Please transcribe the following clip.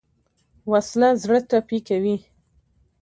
وسله زړه ټپي کوي